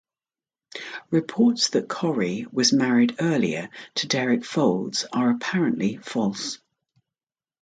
Reports that Corri was married earlier to Derek Fowlds are apparently false.